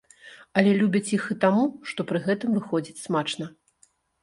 Але любяць іх і таму, што пры гэтым выходзіць смачна.